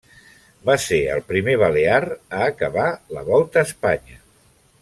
Va ser el primer balear a acabar la Volta a Espanya.